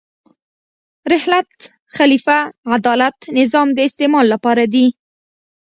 رحلت، خلیفه، عدالت، نظام د استعمال لپاره دي.